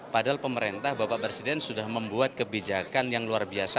padahal pemerintah bapak presiden sudah membuat kebijakan yang luar biasa